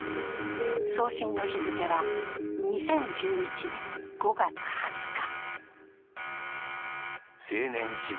送信の日付は２０１１年５月２０日。